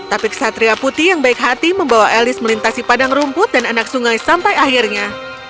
tapi kesatria putih yang baik hati membawa elis melintasi padang rumput dan anak sungai sampai akhirnya